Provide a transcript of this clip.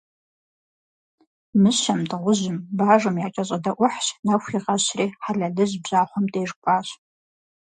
Мыщэм, Дыгъужьым, Бажэм якӀэщӀэдэӀухьщ, нэху игъэщри, Хьэлэлыжь бжьахъуэм деж кӀуащ.